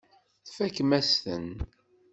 Tfakem-asent-ten.